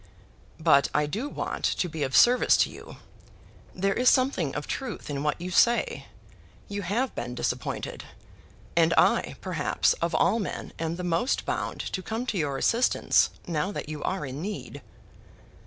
"But I do want to be of service to you. There is something of truth in what you say. You have been disappointed; and I, perhaps, of all men am the most bound to come to your assistance now that you are in need."